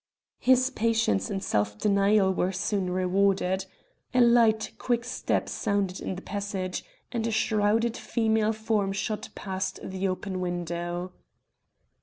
His patience and self denial were soon rewarded. A light quick step sounded in the passage, and a shrouded female form shot past the open window.